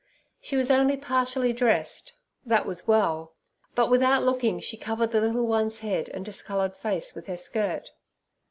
She was only partially dressed—that was well—but, without looking, she covered the little one's head and discoloured face with her skirt.